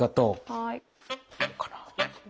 はい。